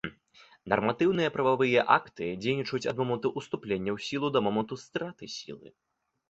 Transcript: Нарматыўныя прававыя акты дзейнічаюць ад моманту ўступлення ў сілу да моманту страты сілы.